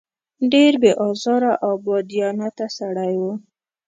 ډېر بې آزاره او بادیانته سړی و.